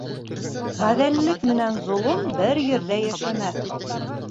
Ғәҙеллек менән золом бер ерҙә йәшәмәҫ.